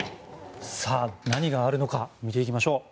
何があるのか見ていきましょう。